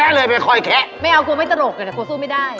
ไม่เอากูไม่ตลกแต่กูสู้ไม่ได้